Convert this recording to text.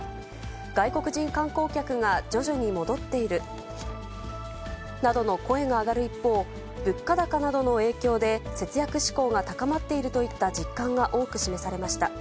外国人観光客が徐々に戻っているなどの声が上がる一方、物価高などの影響で、節約志向が高まっているといった実感が多く示されました。